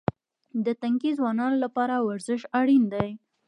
د تنکي ځوانانو لپاره ورزش اړین دی.